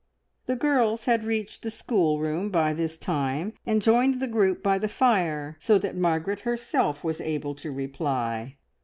The girls had reached the schoolroom by this time and joined the group by the fire, so that Margaret herself was able to reply.